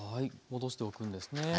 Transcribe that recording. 戻しておくんですね。